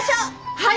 はい！